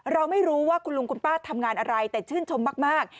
เราไม่รู้ว่าคุณลุงคุณป้าทำงานอะไรแต่ชื่นชมมาก